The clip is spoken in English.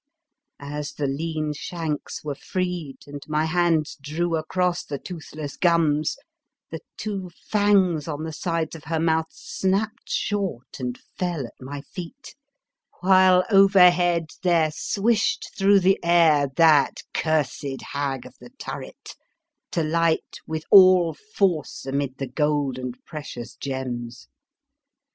As the lean shanks were freed and my hands drew across the toothless gums, the two fangs on the sides of her mouth snap ped short and fell at my feet, while overhead there swished through the air that cursed Hag of the Turret, to light with all force amid the gold and pre cious gems.